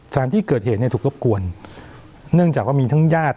สถานที่เกิดเหตุเนี่ยถูกรบกวนเนื่องจากว่ามีทั้งญาติ